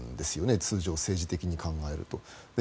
通常、政治的に考えると。